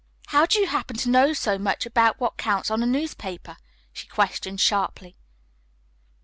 "How do you happen to know so much about what counts on a newspaper?" she questioned sharply.